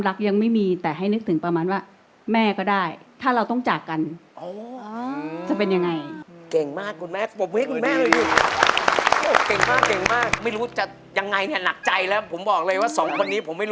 เรื่องเนื้อร้องประมาณว่าความเจ็บปวดของความรักยังไม่มี